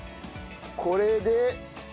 これで。